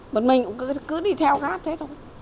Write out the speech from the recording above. một mình cũng cứ đi theo hát thế thôi